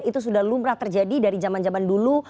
itu sudah lumrah terjadi dari zaman zaman dulu